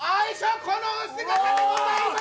このお姿でございます！